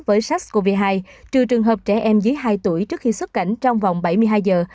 với sars cov hai trừ trường hợp trẻ em dưới hai tuổi trước khi xuất cảnh trong vòng bảy mươi hai giờ